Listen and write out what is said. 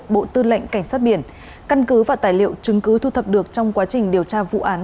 bộ tư lệnh cảnh sát biển căn cứ và tài liệu chứng cứ thu thập được trong quá trình điều tra vụ án